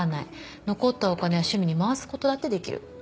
残ったお金は趣味に回すことだってできる。